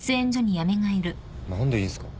何でいんすか？